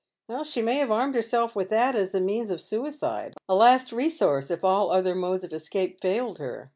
"" She may have armed herself with that as the means of ■uicide — a last resource if all other modes of escape failed her.